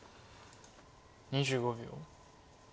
２５秒。